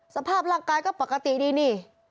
สภาพร่างกายก็ปกติดีนี่